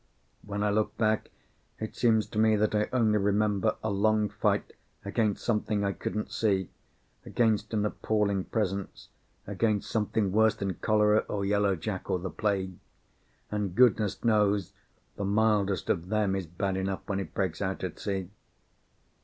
When I look back it seems to me that I only remember a long fight against something I couldn't see, against an appalling presence, against something worse than cholera or Yellow Jack or the plague and, goodness knows, the mildest of them is bad enough when it breaks out at sea.